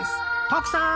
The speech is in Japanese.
徳さーん！